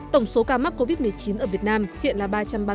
tổng số ca mắc covid một mươi chín ở việt nam hiện là ba trăm ba mươi chín ca